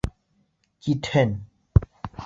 Китһен!